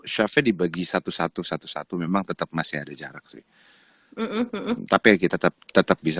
chefnya dibagi satu satu satu memang tetap masih ada jarak sih tapi kita tetap bisa